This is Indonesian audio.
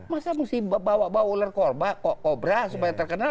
masa mesti bawa bawa ular kok kobra supaya terkenal